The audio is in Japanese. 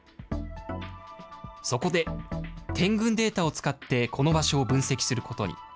そこで、点群データを使って、この場所を分析することに。